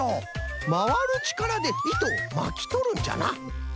まわるちからでいとをまきとるんじゃな。